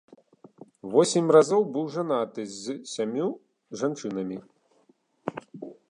Восем разоў быў жанаты з сямю жанчынамі.